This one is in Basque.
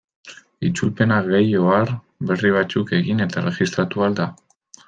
Itzulpena gehi ohar berri batzuk egin eta erregistratu ahal da.